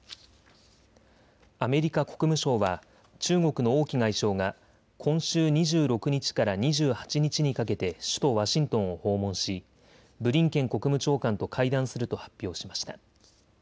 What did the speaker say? アメリカ国務省は中国の王毅外相が今週２６日から２８日にかけて首都ワシントンを訪問しブリンケン国務長官と会談すると発表しました。